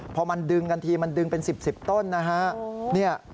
พอมันดึงกันทีมันดึงเป็น๑๐ต้นนะฮะ